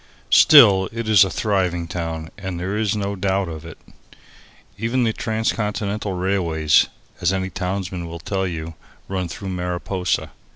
Still, it is a thriving town and there is no doubt of it. Even the transcontinental railways, as any townsman will tell you, run through Mariposa.